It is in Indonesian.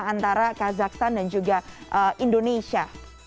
antara kazakhstan dan juga indonesia